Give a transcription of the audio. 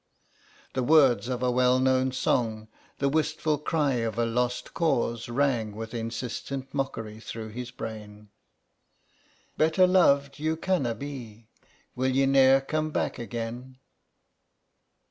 The words of a well known old song, the wistful cry of a lost cause, rang with insistent mockery through his brain: "Better loved you canna be, Will ye ne'er come back again?"